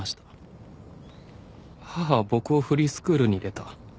母は僕をフリースクールに入れた。